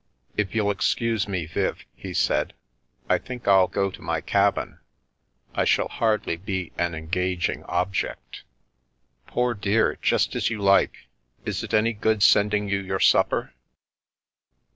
" If you'll excuse me, Viv," he said, " I think I'll go to my cabin. I shall hardly be an en gaging object." " Poor dear, just as you like. Is it any good sending you your supper